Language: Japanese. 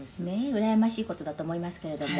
うらやましい事だと思いますけれども」